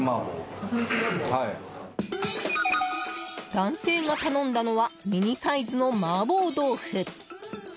男性が頼んだのはミニサイズのマーボー豆腐。